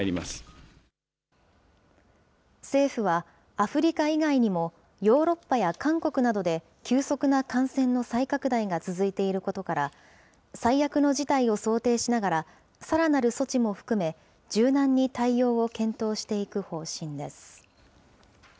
アフリカ以外にも、ヨーロッパや韓国などで、急速な感染の再拡大が続いていることから、最悪の事態を想定しながら、さらなる措置も含め、柔軟に対応を検討していく方針です。